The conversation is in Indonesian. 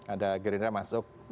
ada gerindra masuk